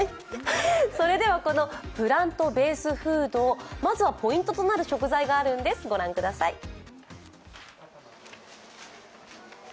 それでは、このプラントベースフード、まずはポイントとなる食材があるんですご覧ください。